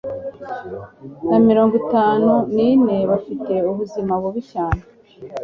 na mirongo itanu nine bafite ubuzima bubi cyane